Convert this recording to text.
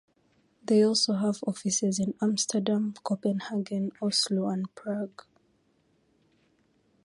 They also have offices in Amsterdam, Copenhagen, Oslo, and Prague.